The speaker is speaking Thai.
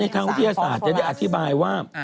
เธอบอกว่าในธุรกิจภาพมายุธวิทยาศาสตร์จะอธิบายว่า